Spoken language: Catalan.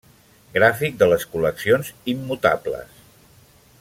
Gràfic de les col·leccions immutables.